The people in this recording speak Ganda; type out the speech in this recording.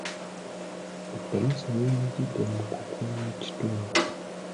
Ekkanisa y'enyigidde mu kukuuma ekitundu.